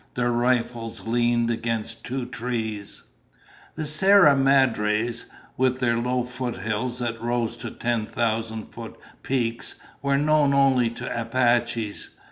Their rifles leaned against two trees. The Sierra Madres, with their low foothills that rose to ten thousand foot peaks, were known only to Apaches.